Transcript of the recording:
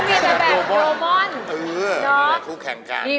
เออยอดพี่นุ้ยต้องการคู่แข็งกัน